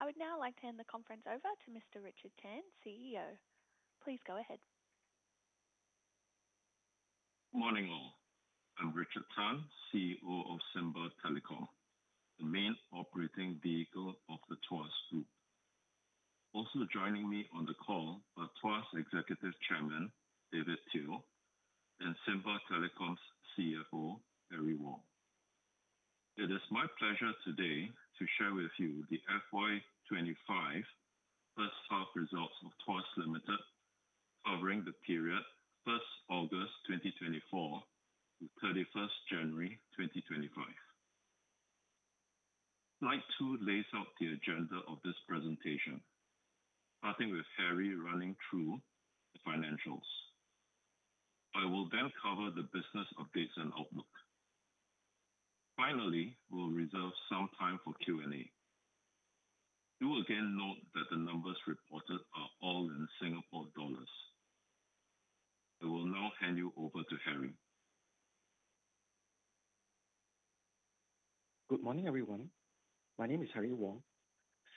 I would now like to hand the conference over to Mr. Richard Tan, CEO. Please go ahead. Morning, all. I'm Richard Tan, CEO of Simba Telecom, the main operating vehicle of the Tuas Group. Also joining me on the call are Tuas Executive Chairman, David Teoh, and Simba Telecom's CFO, Harry Wong. It is my pleasure today to share with you the FY25 first half results of Tuas Limited, covering the period 1st August, 2024 to 31st January, 2025. I'd like to lay out the agenda of this presentation, starting with Harry running through the financials. I will then cover the business updates and outlook. Finally, we'll reserve some time for Q&A. Do again note that the numbers reported are all in SGD. I will now hand you over to Harry. Good morning, everyone. My name is Harry Wong,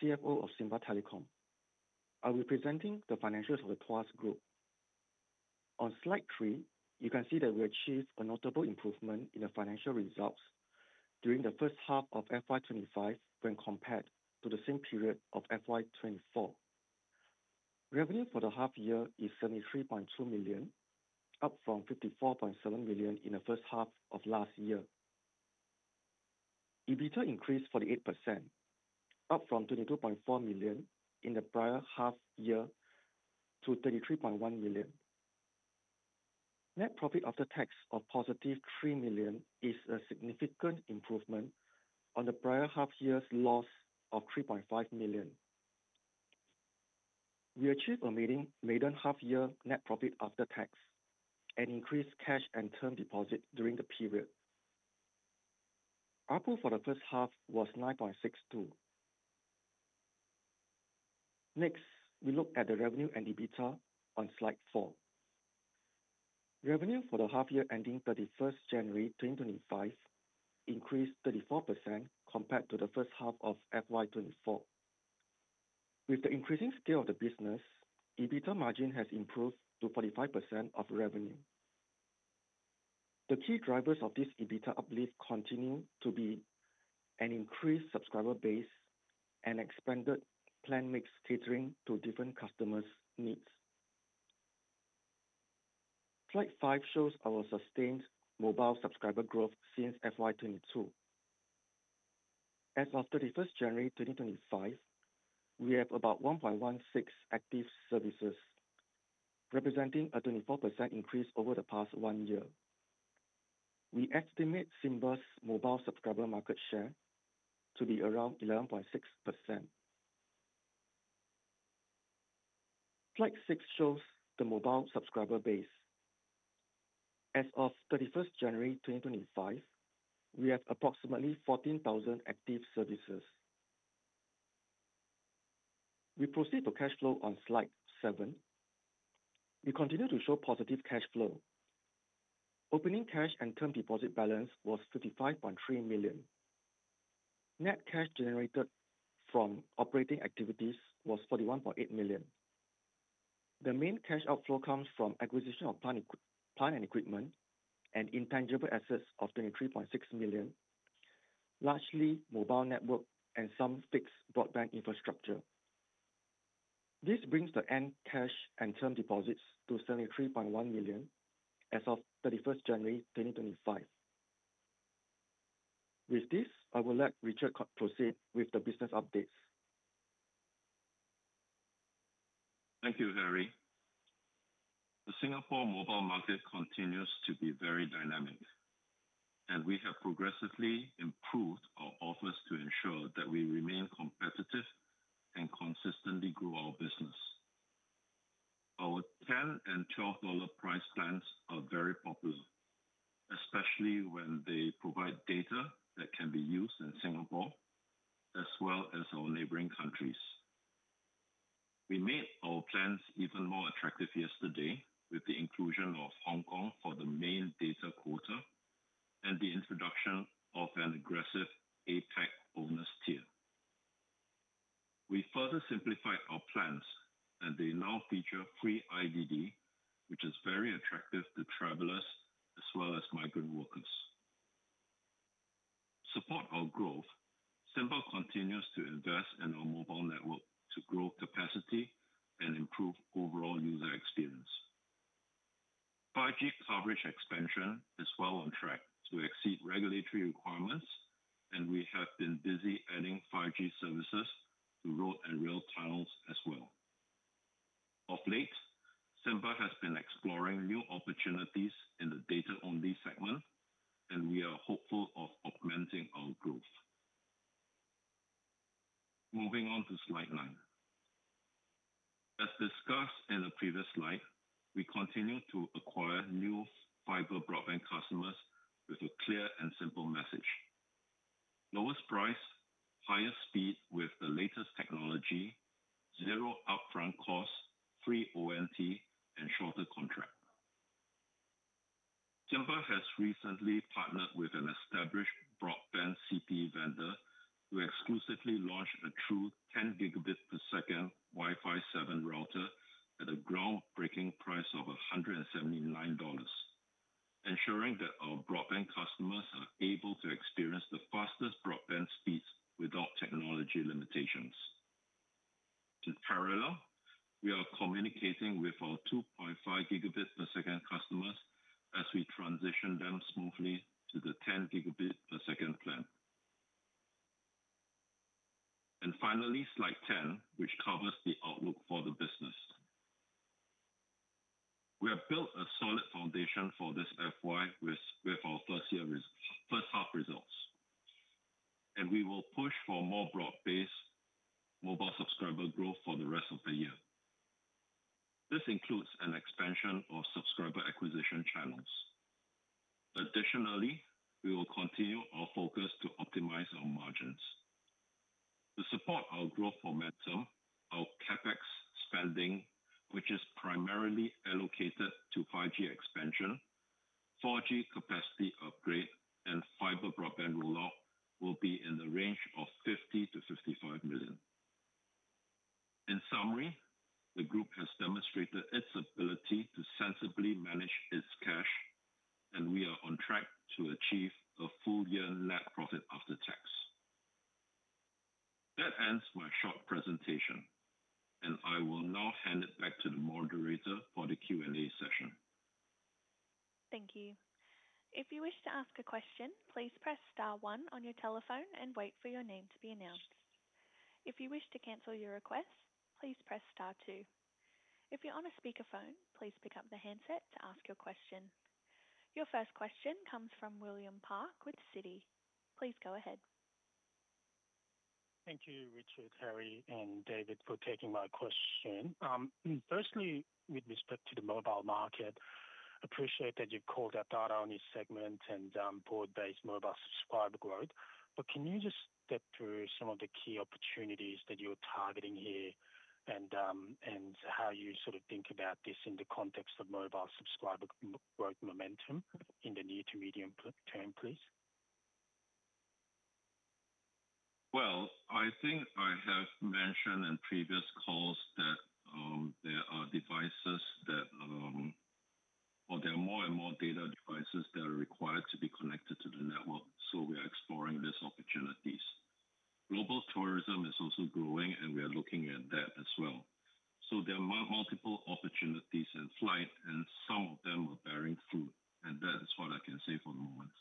CFO of Simba Telecom. I'll be presenting the financials of the Tuas Group. On slide three, you can see that we achieved a notable improvement in the financial results during the first half of FY2025 when compared to the same period of FY2024. Revenue for the half year is 73.2 million, up from 54.7 million in the first half of last year. EBITDA increased 48%, up from 22.4 million in the prior half year to 33.1 million. Net profit after tax of positive 3 million is a significant improvement on the prior half year's loss of 3.5 million. We achieved a maiden half year net profit after tax and increased cash and term deposit during the period. Our pool for the first half was 9.62 million. Next, we look at the revenue and EBITDA on slide four. Revenue for the half year ending 31 January 2025 increased 34% compared to the first half of FY2024. With the increasing scale of the business, EBITDA margin has improved to 45% of revenue. The key drivers of this EBITDA uplift continue to be an increased subscriber base and expanded plan-mix catering to different customers' needs. Slide five shows our sustained mobile subscriber growth since FY2022. As of 31st January, 2025, we have about 1.16 million active services, representing a 24% increase over the past one year. We estimate Simba's mobile subscriber market share to be around 11.6%. Slide six shows the mobile subscriber base. As of 31st January, 2025, we have approximately 1.14 million active services. We proceed to cash flow on slide seven. We continue to show positive cash flow. Opening cash and term deposit balance was 55.3 million. Net cash generated from operating activities was 41.8 million. The main cash outflow comes from acquisition of plant and equipment and intangible assets of 23.6 million, largely mobile network and some fixed broadband infrastructure. This brings the end cash and term deposits to 73.1 million as of 31st January, 2025. With this, I will let Richard proceed with the business updates. Thank you, Harry. The Singapore mobile market continues to be very dynamic, and we have progressively improved our offers to ensure that we remain competitive and consistently grow our business. Our 10 and 12 dollar price plans are very popular, especially when they provide data that can be used in Singapore as well as our neighboring countries. We made our plans even more attractive yesterday with the inclusion of Hong Kong for the main data quota and the introduction of an aggressive APAC Roaming Tier. We further simplified our plans, and they now feature free IDD, which is very attractive to travelers as well as migrant workers. To support our growth, Simba continues to invest in our mobile network to grow capacity and improve overall user experience. 5G coverage expansion is well on track to exceed regulatory requirements, and we have been busy adding 5G services to road and rail tunnels as well. Of late, Simba has been exploring new opportunities in the data-only segment, and we are hopeful of augmenting our growth. Moving on to slide nine. As discussed in the previous slide, we continue to acquire new fiber broadband customers with a clear and simple message: lowest price, highest speed with the latest technology, zero upfront cost, free ONT, and shorter contract. Simba has recently partnered with an established broadband CPE vendor to exclusively launch a true 10 Gbps Wi-Fi 7 Router at a groundbreaking price of 179 dollars, ensuring that our broadband customers are able to experience the fastest broadband speeds without technology limitations. In parallel, we are communicating with our 2.5 Gbps customers as we transition them smoothly to the 10 Gbps plan. Finally, slide ten, which covers the outlook for the business. We have built a solid foundation for this FY with our first half results, and we will push for more broad-based mobile subscriber growth for the rest of the year. This includes an expansion of subscriber acquisition channels. Additionally, we will continue our focus to optimize our margins. To support our growth momentum, our CapEx spending, which is primarily allocated to 5G expansion, 4G capacity upgrade, and fiber broadband rollout, will be in the range of 50 million-55 million. In summary, the group has demonstrated its ability to sensibly manage its cash, and we are on track to achieve a full year net profit after tax. That ends my short presentation, and I will now hand it back to the moderator for the Q&A session. Thank you. If you wish to ask a question, please press star one on your telephone and wait for your name to be announced. If you wish to cancel your request, please press star two. If you're on a speakerphone, please pick up the handset to ask your question. Your first question comes from William Park with Citi. Please go ahead. Thank you, Richard, Harry, and David, for taking my question. Firstly, with respect to the mobile market, I appreciate that you've called out on this segment and broad-based mobile subscriber growth. Can you just step through some of the key opportunities that you're targeting here and how you sort of think about this in the context of mobile subscriber growth momentum in the near to medium term, please? I think I have mentioned in previous calls that there are devices that, or there are more and more data devices that are required to be connected to the network. We are exploring these opportunities. Global tourism is also growing, and we are looking at that as well. There are multiple opportunities in flight, and some of them are bearing fruit, and that is what I can say for the moment.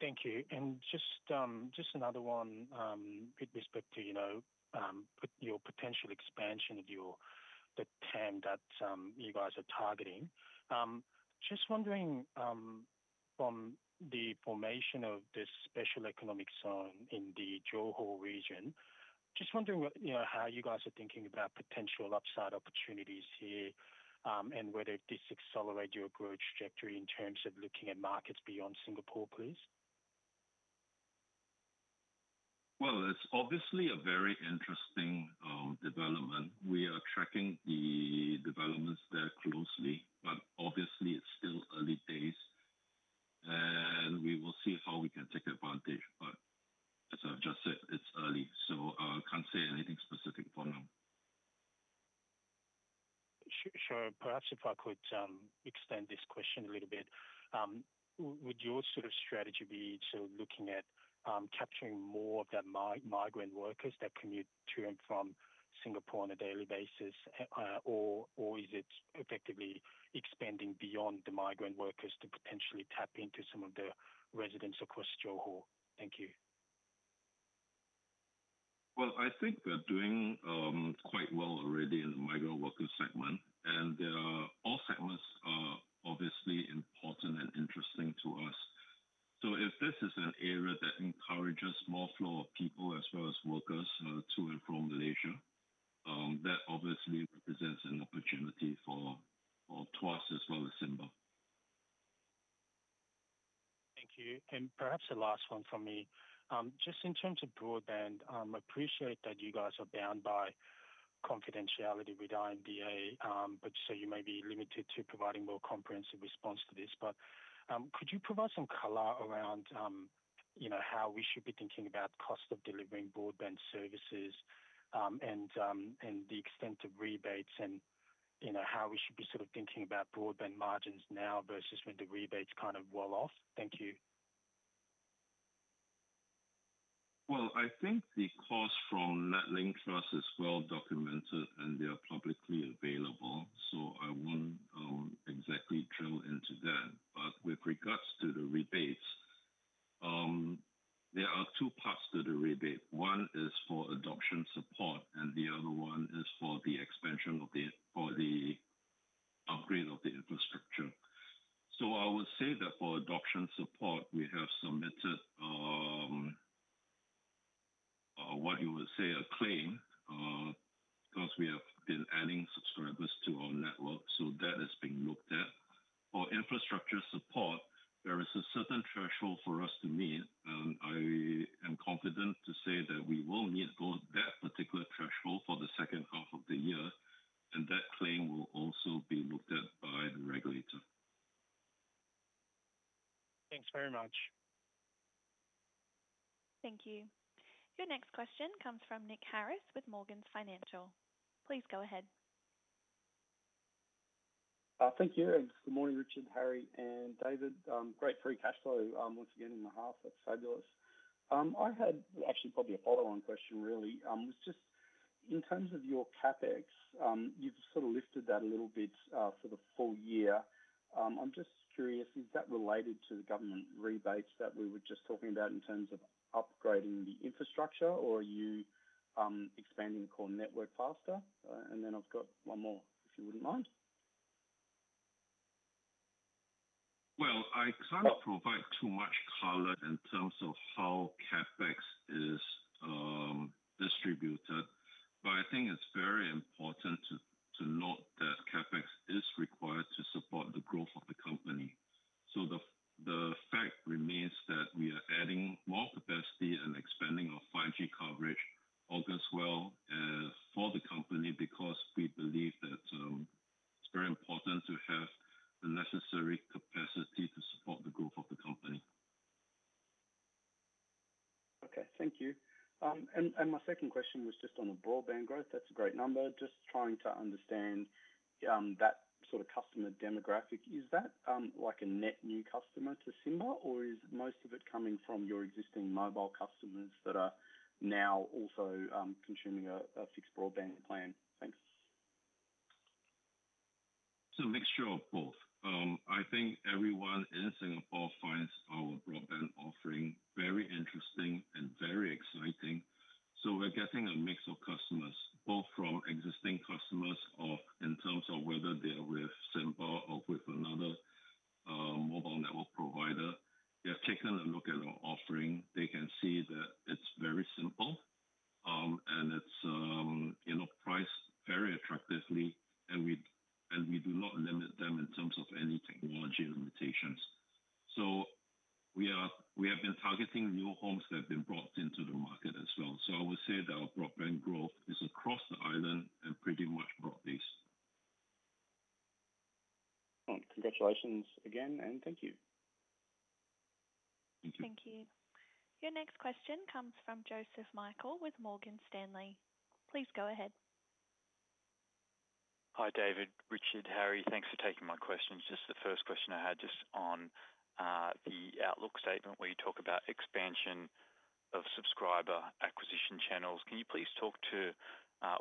Thank you. Just another one with respect to your potential expansion of the 10 that you guys are targeting. Just wondering, from the formation of this special economic zone in the Johor region, just wondering how you guys are thinking about potential upside opportunities here and whether this accelerates your growth trajectory in terms of looking at markets beyond Singapore, please. It is obviously a very interesting development. We are tracking the developments there closely, but obviously it is still early days, and we will see how we can take advantage. As I have just said, it is early, so I cannot say anything specific for now. Sure. Perhaps if I could extend this question a little bit, would your sort of strategy be looking at capturing more of the migrant workers that commute to and from Singapore on a daily basis, or is it effectively expanding beyond the migrant workers to potentially tap into some of the residents across Johor? Thank you. I think we're doing quite well already in the migrant worker segment, and all segments are obviously important and interesting to us. If this is an area that encourages more flow of people as well as workers to and from Malaysia, that obviously represents an opportunity for Tuas as well as Simba. Thank you. Perhaps the last one from me. Just in terms of broadband, I appreciate that you guys are bound by confidentiality with IMDA, so you may be limited to providing more comprehensive response to this. Could you provide some color around how we should be thinking about the cost of delivering broadband services and the extent of rebates and how we should be sort of thinking about broadband margins now versus when the rebates kind of wall off? Thank you. I think the cost from NetLink Trust is well documented and they are publicly available, so I won't exactly drill into that. With regards to the rebates, there are two parts to the rebate. One is for adoption support, and the other one is for the expansion of the upgrade of the infrastructure. I would say that for adoption support, we have submitted what you would say a claim because we have been adding subscribers to our network, so that has been looked at. For infrastructure support, there is a certain threshold for us to meet, and I am confident to say that we will meet that particular threshold for the second half of the year, and that claim will also be looked at by the regulator. Thanks very much. Thank you. Your next question comes from Nick Harris with Morgans Financial. Please go ahead. Thank you. Good morning, Richard, Harry, and David. Great free cash flow once again in the half. That's fabulous. I had actually probably a follow-on question, really. It was just in terms of your CapEx, you've sort of lifted that a little bit for the full year. I'm just curious, is that related to the government rebates that we were just talking about in terms of upgrading the infrastructure, or are you expanding core network faster? I have got one more, if you wouldn't mind. I kind of provide too much color in terms of how CapEx is distributed, but I think it's very important to note that CapEx is required to support the growth of the company. The fact remains that we are adding more capacity and expanding our 5G coverage all goes well for the company because we believe that it's very important to have the necessary capacity to support the growth of the company. Okay. Thank you. My second question was just on the broadband growth. That's a great number. Just trying to understand that sort of customer demographic. Is that like a net new customer to Simba, or is most of it coming from your existing mobile customers that are now also consuming a fixed broadband plan? Thanks. It's a mixture of both. I think everyone in Singapore finds our broadband offering very interesting and very exciting. We're getting a mix of customers, both from existing customers or in terms of whether they're with Simba or with another mobile network provider. They've taken a look at our offering. They can see that it's very simple, and it's priced very attractively, and we do not limit them in terms of any technology limitations. We have been targeting new homes that have been brought into the market as well. I would say that our broadband growth is across the island and pretty much broad-based. Congratulations again, and thank you. Thank you. Thank you. Your next question comes from Joseph Michael with Morgan Stanley. Please go ahead. Hi, David. Richard, Harry, thanks for taking my questions. Just the first question I had just on the outlook statement where you talk about expansion of subscriber acquisition channels. Can you please talk to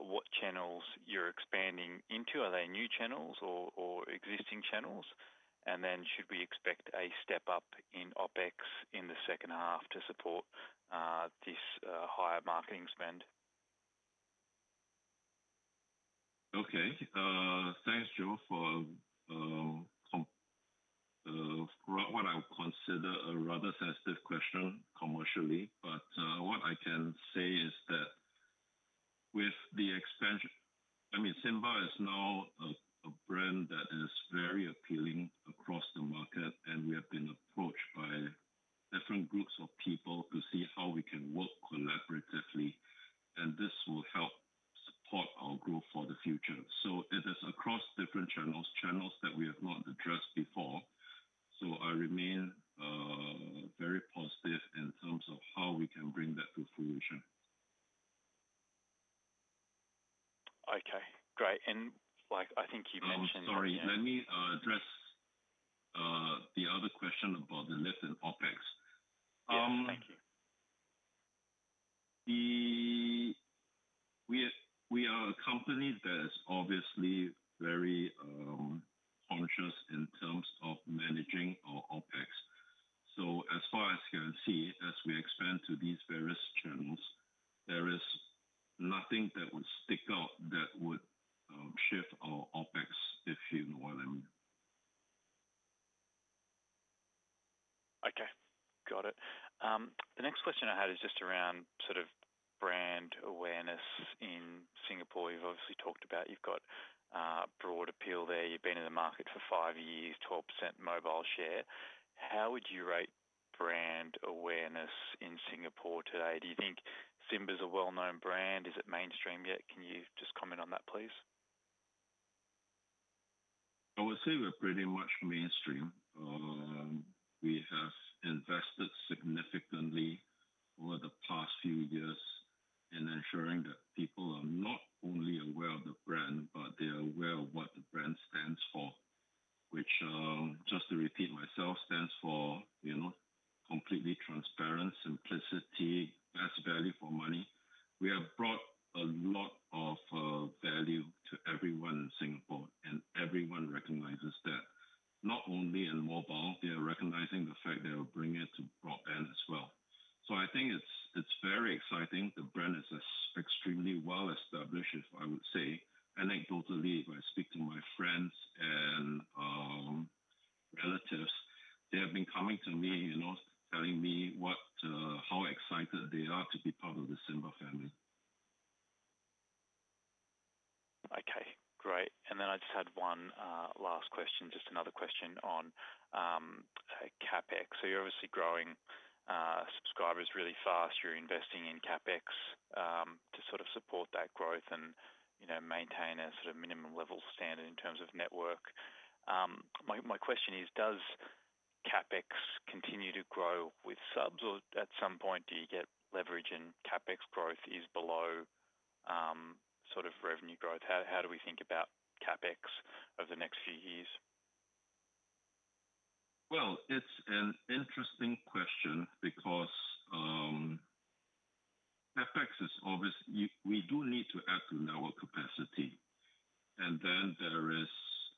what channels you're expanding into? Are they new channels or existing channels? Should we expect a step up in OpEx in the second half to support this higher marketing spend? Okay. Thanks, Joe, for what I would consider a rather sensitive question commercially. What I can say is that with the expansion, I mean, Simba is now a brand that is very appealing across the market, and we have been approached by different groups of people to see how we can work collaboratively, and this will help support our growth for the future. It is across different channels, channels that we have not addressed before. I remain very positive in terms of how we can bring that to fruition. Okay. Great. I think you mentioned that. Sorry, let me address the other question about the lift in OpEx. Yes, thank you. We are a company that is obviously very conscious in terms of managing our OpEx. As far as you can see, as we expand to these various channels, there is nothing that would stick out that would shift our OpEx, if you know what I mean. Okay. Got it. The next question I had is just around sort of brand awareness in Singapore. You've obviously talked about you've got broad appeal there. You've been in the market for five years, 12% mobile share. How would you rate brand awareness in Singapore today? Do you think Simba is a well-known brand? Is it mainstream yet? Can you just comment on that, please? I would say we're pretty much mainstream. We have invested significantly over the past few years in ensuring that people are not only aware of the brand, but they are aware of what the brand stands for, which, just to repeat myself, stands for completely transparent, simplicity, best value for money. We have brought a lot of value to everyone in Singapore, and everyone recognizes that. Not only in mobile, they are recognizing the fact they are bringing it to broadband as well. I think it's very exciting. The brand is extremely well established, if I would say. Anecdotally, if I speak to my friends and relatives, they have been coming to me telling me how excited they are to be part of the Simba family. Okay. Great. I just had one last question, just another question on CapEx. You're obviously growing subscribers really fast. You're investing in CapEx to sort of support that growth and maintain a sort of minimum level standard in terms of network. My question is, does CapEx continue to grow with subs, or at some point, do you get leverage and CapEx growth is below sort of revenue growth? How do we think about CapEx over the next few years? It's an interesting question because CapEx is obviously we do need to add to our capacity. There is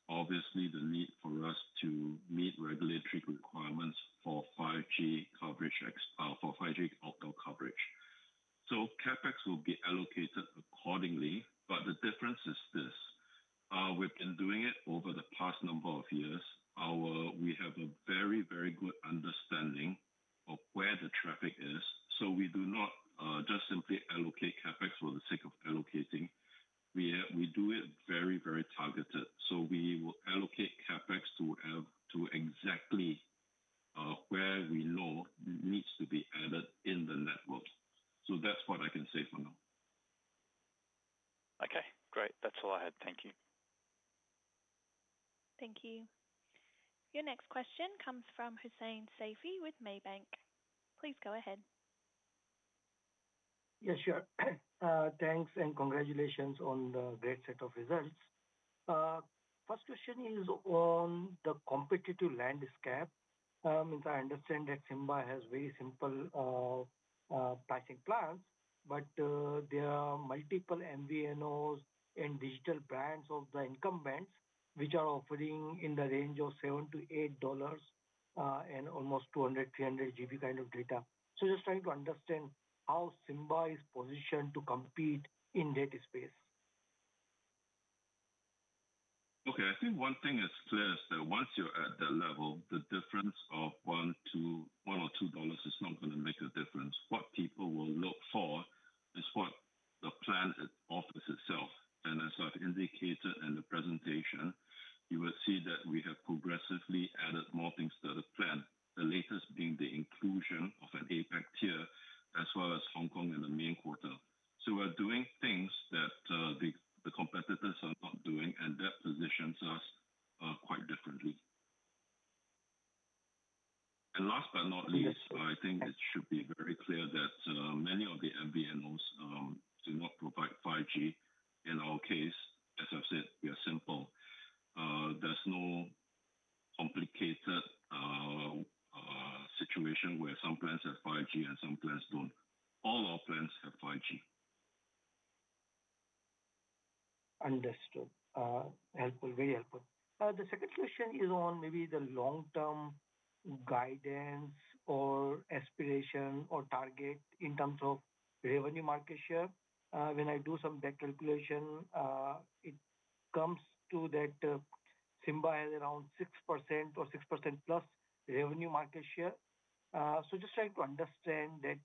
obviously the need for us to meet regulatory requirements for 5G outdoor coverage. CapEx will be allocated accordingly, but the difference is this. We've been doing it over the past number of years. We have a very, very good understanding of where the traffic is. We do not just simply allocate CapEx for the sake of allocating. We do it very, very targeted. We will allocate CapEx to exactly where we know needs to be added in the network. That's what I can say for now. Okay. Great. That's all I had. Thank you. Thank you. Your next question comes from Hussaini Saifee with Maybank. Please go ahead. Yes, sure. Thanks, and congratulations on the great set of results. First question is on the competitive landscape. I understand that Simba has very simple pricing plans, but there are multiple MVNOs and digital brands of the incumbents which are offering in the range of 7-8 dollars and almost 200 GB-300 GB kind of data. Just trying to understand how Simba is positioned to compete in data space. Okay. I think one thing is clear is that once you're at that level, the difference of one or two dollars is not going to make a difference. What people will look for is what the plan offers itself. As I've indicated in the presentation, you will see that we have progressively added more things to the plan, the latest being the inclusion of an APAC tier as well as Hong Kong in the main quarter. We are doing things that the competitors are not doing, and that positions us quite differently. Last but not least, I think it should be very clear that many of the MVNOs do not provide 5G. In our case, as I've said, we are simple. There's no complicated situation where some plans have 5G and some plans do not. All our plans have 5G. Understood. Helpful, very helpful. The second question is on maybe the long-term guidance or aspiration or target in terms of revenue market share. When I do some back calculation, it comes to that Simba has around 6% or 6%+ revenue market share. Just trying to understand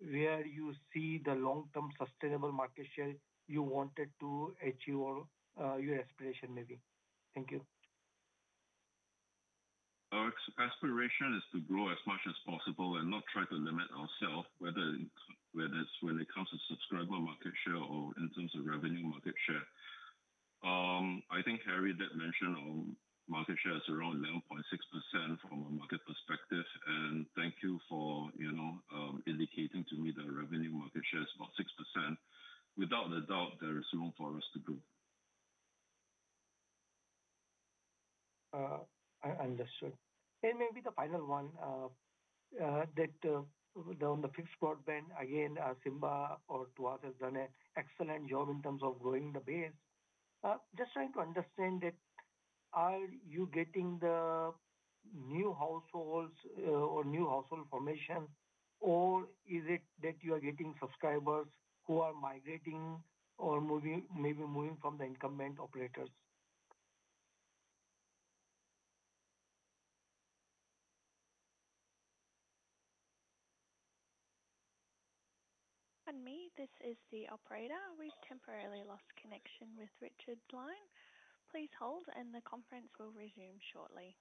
where you see the long-term sustainable market share you wanted to achieve or your aspiration maybe. Thank you. Our aspiration is to grow as much as possible and not try to limit ourselves, whether it's when it comes to subscriber market share or in terms of revenue market share. I think, Harry, that mention of market share is around 11.6% from a market perspective. Thank you for indicating to me that revenue market share is about 6%. Without a doubt, there is room for us to grow. I understood. Maybe the final one, that on the fixed broadband, again, Simba or Tuas has done an excellent job in terms of growing the base. Just trying to understand that, are you getting the new households or new household formation, or is it that you are getting subscribers who are migrating or maybe moving from the incumbent operators? This is the operator. We've temporarily lost connection with Richard's line. Please hold, and the conference will resume shortly.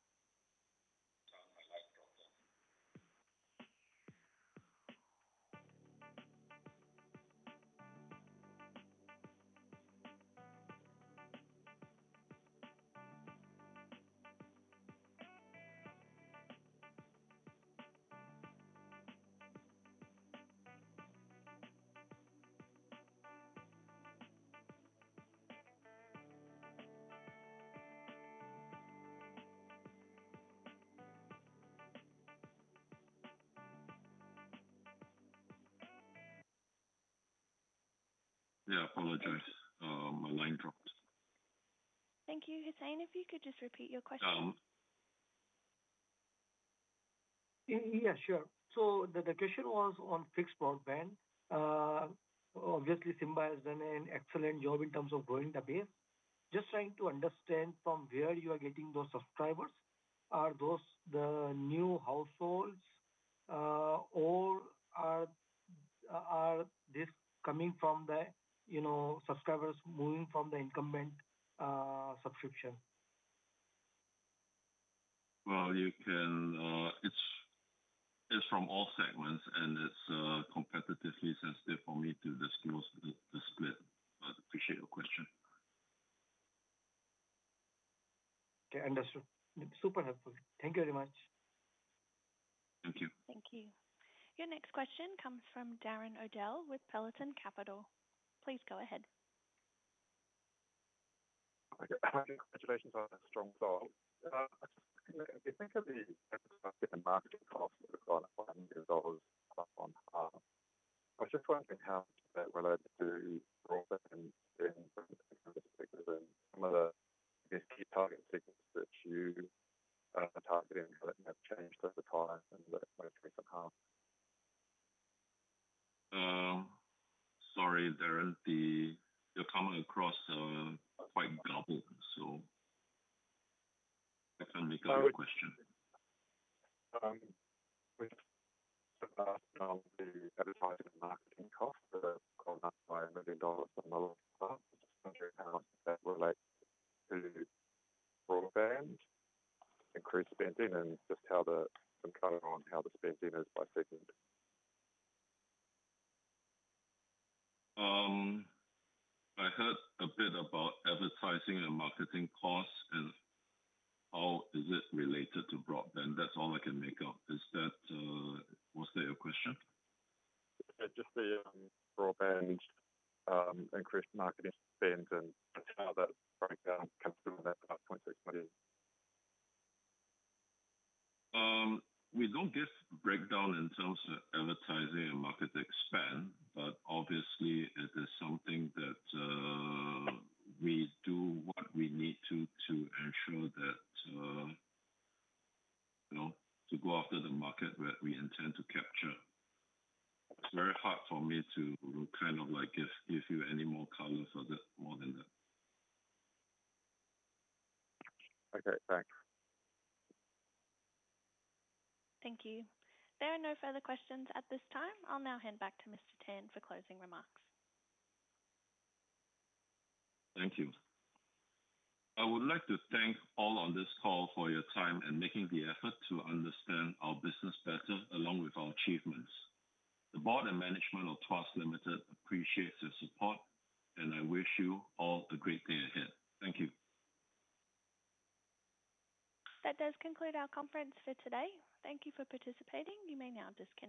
Yeah, apologize. My line dropped. Thank you. Hussaini, if you could just repeat your question. Yeah, sure. The question was on fixed broadband. Obviously, Simba has done an excellent job in terms of growing the base. Just trying to understand from where you are getting those subscribers. Are those the new households, or are these coming from the subscribers moving from the incumbent subscription? It's from all segments, and it's competitively sensitive for me to the skills to split. I appreciate your question. Okay. Understood. Super helpful. Thank you very much. Thank you. Thank you. Your next question comes from Darren Odell with Peloton Capital. Please go ahead. Hi, congratulations on a strong start. I think that the market costs are SGD 5 million plus on half. I just wanted to ask related to broadband in some of the key target segments that you are targeting that have changed over time in the most recent half. Sorry, Darren? You're coming across quite garbled, so I can't make up the question. Sorry. With the last round, the advertising and marketing costs have gone up by 1 million dollars from the lower half. Is there something else that relates to broadband? Increased spending and just how the. Comment on how the spending is by segment. I heard a bit about advertising and marketing costs and how is it related to broadband. That's all I can make up. Was that your question? Just the broadband increased marketing spend and how that breakdown comes from that 5.6 million. We don't get breakdown in terms of advertising and marketing spend, but obviously, it is something that we do what we need to to ensure that to go after the market that we intend to capture. It's very hard for me to kind of give you any more color for that more than that. Okay. Thanks. Thank you. There are no further questions at this time. I'll now hand back to Mr. Tan for closing remarks. Thank you. I would like to thank all on this call for your time and making the effort to understand our business better along with our achievements. The board and management of Tuas Limited appreciate your support, and I wish you all a great day ahead. Thank you. That does conclude our conference for today. Thank you for participating. You may now disconnect.